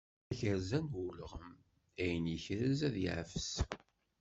Tayerza n ulɣem, ayen ikrez ad t-yeɛfes.